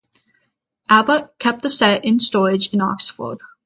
Abbott kept the set in storage in Oxford.